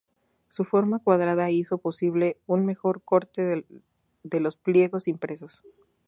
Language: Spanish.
Su forma cuadrada hizo posible un mejor corte de los pliegos impresos.